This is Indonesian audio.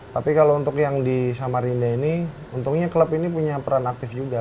tapi kalau untuk yang di samarinda ini untungnya klub ini punya peran aktif juga